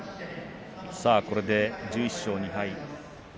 これで１１勝２敗。